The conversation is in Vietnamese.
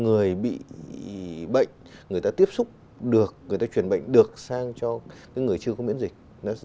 người bị bệnh người ta tiếp xúc được người ta chuyển bệnh được sang cho người chưa có miễn dịch